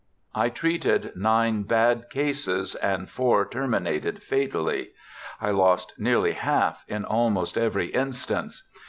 I treated nine bad cases, and four terminated fatally ; I lost nearly half in almost every instance.